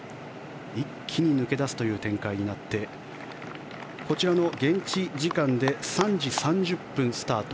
一気に抜け出すという展開になってこちらの現地時間で３時３０分スタート。